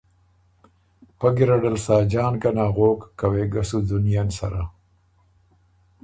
پۀ ګیرډل ساجان ګه نغوک که وېګه سو ځُونيېن سَرَه۔